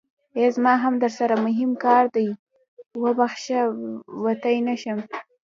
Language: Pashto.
ای زما ام درسره موهم کار دی خو وبښه وتی نشم.